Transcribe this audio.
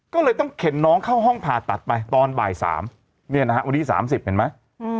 ก็เลยต้องเข็นน้องเข้าห้องผ่าตัดไปตอนบ่าย๓เนี่ยนะฮะวันนี้๓๐เห็นไหม